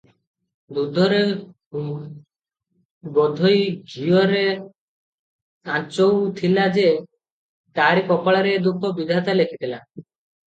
ଦୁଧରେ ଗୋଧୋଇ ଘିଅରେ ଆଞ୍ଚୋଉ ଥିଲା ଯେ, ତାରି କପାଳରେ ଏ ଦୁଃଖ ବିଧାତା ଲେଖିଥିଲା!